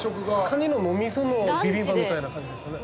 カニのみそのビビンバみたいな感じですかね。